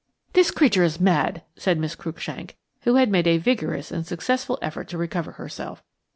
"This creature is mad," said Miss Cruikshank, who had made a vigorous and successful effort to recover herself.